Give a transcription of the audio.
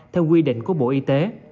theo quy định của bộ y tế